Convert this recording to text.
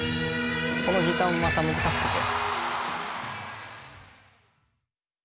このギターもまた難しくて。